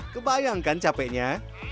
kebayang kan capeknya